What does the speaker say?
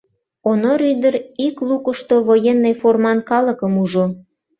Онор ӱдыр ик лукышто военный форман калыкым ужо.